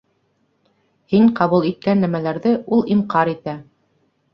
Һин ҡабул иткән нәмәләрҙе ул инҡар итә.